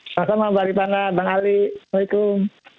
selamat malam bang rizana bang ali assalamualaikum